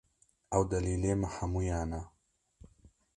Ew delîlê me hemûyan e